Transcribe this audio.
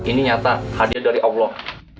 ini nyata hadiah dari allah